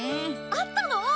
あったの！？